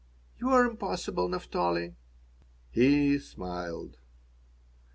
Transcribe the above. "You're impossible, Naphtali." He smiled.